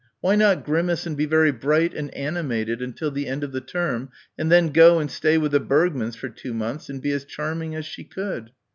Why not grimace and be very "bright" and "animated" until the end of the term and then go and stay with the Bergmanns for two months and be as charming as she could?...